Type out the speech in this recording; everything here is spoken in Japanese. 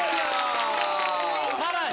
さらに。